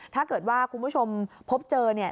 ถ้าเกิดว่าคุณผู้ชมพบเจอเนี่ย